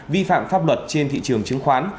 vi phạm pháp luật trên thị trường chứng khoán